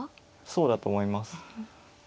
そうだと思います。